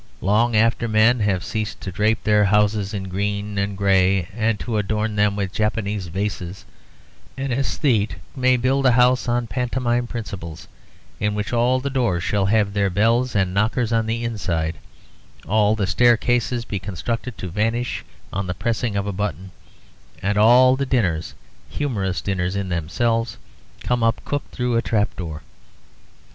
Long after men have ceased to drape their houses in green and gray and to adorn them with Japanese vases, an aesthete may build a house on pantomime principles, in which all the doors shall have their bells and knockers on the inside, all the staircases be constructed to vanish on the pressing of a button, and all the dinners (humorous dinners in themselves) come up cooked through a trapdoor.